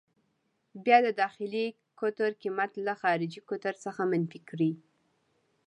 بیا د داخلي قطر قېمت له خارجي قطر څخه منفي کړئ.